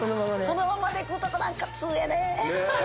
そのままでいくとこなんか通やね。